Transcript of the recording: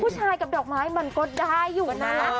ผู้ชายกับดอกไม้มันก็ได้อยู่นะ